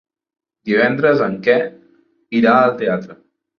Divendres en Quer irà al teatre.